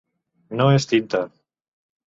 No es tinta!